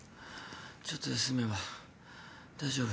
ちょっと休めば大丈夫。